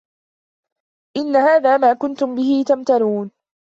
إِنَّ هذا ما كُنتُم بِهِ تَمتَرونَ